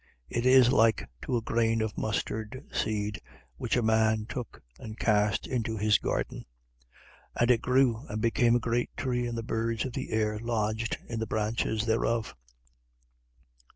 13:19. It is like to a grain of mustard seed, which a man took and cast into his garden: and it grew and became a great tree, and the birds of the air lodged in the branches thereof.